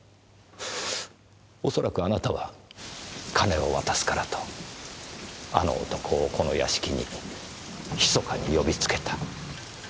恐らくあなたは金を渡すからとあの男をこの屋敷に密かに呼びつけた。